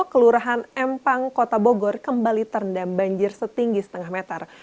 kelurahan empang kota bogor kembali terendam banjir setinggi setengah meter